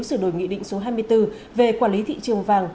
sửa đổi nghị định số hai mươi bốn về quản lý thị trường vàng